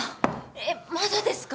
えっまだですか？